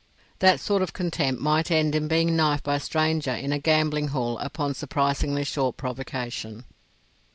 That sort of contempt might end in being knifed by a stranger in a gambling hell upon surprisingly short provocation.